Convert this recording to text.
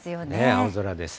青空です。